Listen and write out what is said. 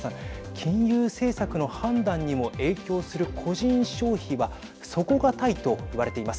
金融政策の判断にも影響する個人消費は底堅いと言われています。